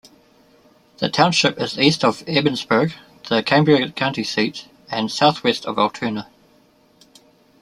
The township is east of Ebensburg, the Cambria County seat, and southwest of Altoona.